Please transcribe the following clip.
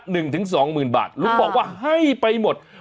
ลุงบอกว่าให้ไปหมด